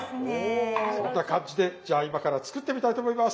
そんな感じでじゃあ今から作ってみたいと思います。